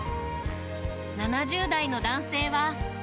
７０代の男性は。